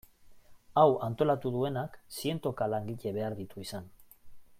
Hau antolatu duenak zientoka langile behar ditu izan.